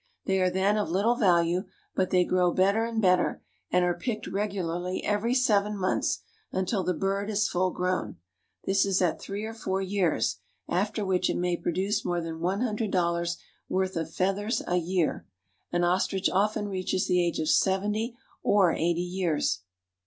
They are then of little value, but they grow better and better, and are picked regularly every seven months until the bird is full .grown ; this is at three or four years, after which it may produce more than one hundred dollars' worth of feathers a year. An ostrich often reaches the age of seventy or eighty years.